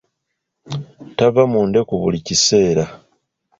Tava mu ndeku buli kiseera.